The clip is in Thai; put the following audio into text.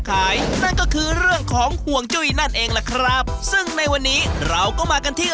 นั่นก็คือเรื่องของห่วงจุ้ยนั่นเองล่ะครับซึ่งในวันนี้เราก็มากันที่